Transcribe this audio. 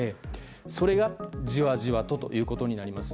それが、じわじわとということになります。